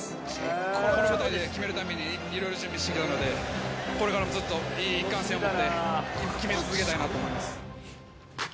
この舞台で決めるために、いろいろ準備してきたので、これからもずっといい一貫性を持って、決め続けたいなと思います。